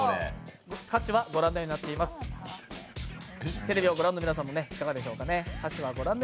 テレビをご覧の皆さんもいかがでしょうか。